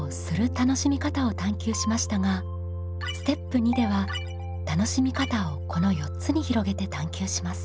楽しみ方を探究しましたがステップ２では楽しみ方をこの４つに広げて探究します。